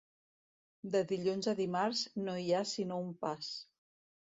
De dilluns a dimarts, no hi ha sinó un pas.